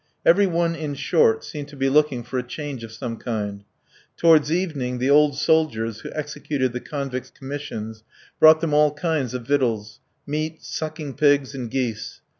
Every one, in short, seemed to be looking for a change of some kind. Towards evening the old soldiers, who executed the convicts' commissions, brought them all kinds of victuals meat, sucking pigs, and geese.